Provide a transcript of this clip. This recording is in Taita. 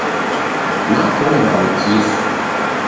Nakombwa ni kifu.